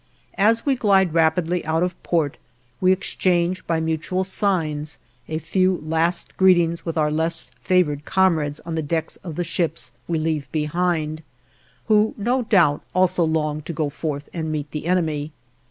As we glide rapidly out of port, we exchange by mutual signs a few last greetings with our less favored comrades on the decks of the ships we leave behind, who no doubt also long to go forth and meet the enemy.